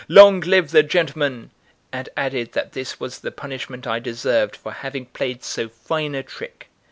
long live the gentleman!" and added that this was the punishment I deserved for having played so fine a trick.